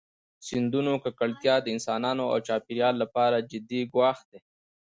د سیندونو ککړتیا د انسانانو او چاپېریال لپاره جدي ګواښ دی.